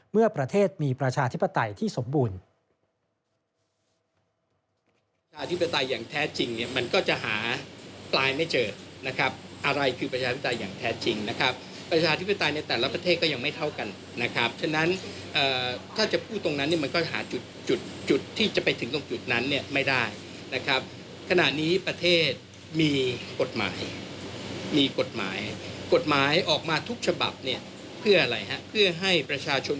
เมื่อประเทศมีประชาธิปไตยที่สมบูรณ์